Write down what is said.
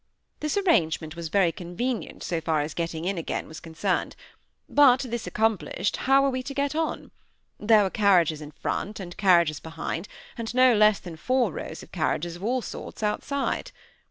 This arrangement was very convenient so far as getting in again was concerned. But, this accomplished, how were we to get on? There were carriages in front, and carriages behind, and no less than four rows of carriages, of all sorts, outside.